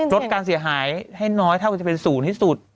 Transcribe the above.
เห็นก้าวที่การเสียหายให้น้อยเท่ากันจะเป็นศูนย์ที่สุด